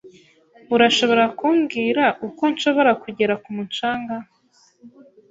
Urashobora kumbwira uko nshobora kugera ku mucanga?